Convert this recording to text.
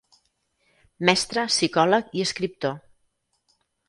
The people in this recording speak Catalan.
Mestre, psicòleg i escriptor.